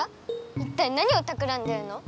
いったい何をたくらんでるの？